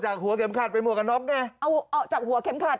หัวเข็มขัดเป็นหมวกกันน็อกไงเอาออกจากหัวเข็มขัด